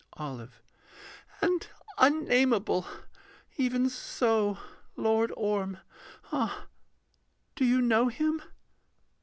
OLIVE. And unnameable. Even so; Lord Orm Ah! do you know him?